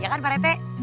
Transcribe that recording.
iya kan pak rete